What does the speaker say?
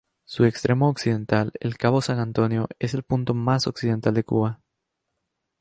Su extremo occidental, el cabo San Antonio, es el punto más occidental de Cuba.